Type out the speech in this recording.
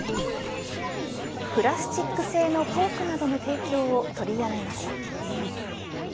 プラスチック製のフォークなどの提供を取りやめます。